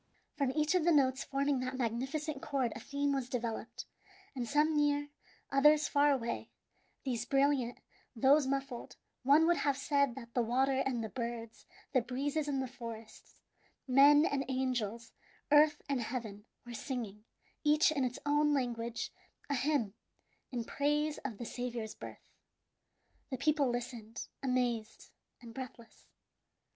From each of the notes forming that magnificent chord a theme was developed; and some near, others far away, these brilliant, those muffled, one would have said that the waters and the birds, the breezes and the forests, men and angels, earth and heaven, were singing, each in its own language, a hymn in praise of the Saviour's birth. The people listened, amazed and breathless.